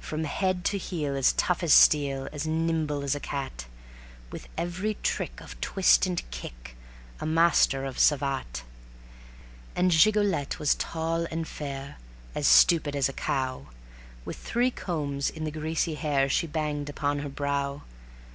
From head to heel as tough as steel, as nimble as a cat, With every trick of twist and kick, a master of savate. And Gigolette was tall and fair, as stupid as a cow, With three combs in the greasy hair she banged upon her brow.